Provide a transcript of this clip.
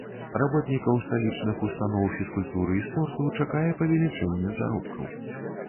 Работнікаў сталічных устаноў фізкультуры і спорту чакае павелічэнне заробкаў.